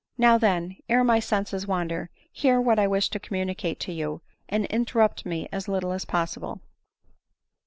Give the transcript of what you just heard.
Now then, ere my senses wander, hear what I wish to communicate to you, and interrupt me as little as possible."